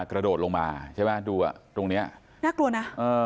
กระโดดลงมาใช่ไหมดูอ่ะตรงเนี้ยน่ากลัวนะเออ